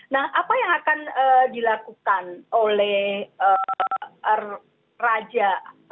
nah apa yang akan dilakukan oleh raja